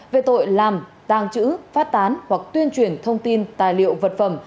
về tội làm tàng trữ phát tán hoặc tuyên truyền thông tin tài liệu vật phẩm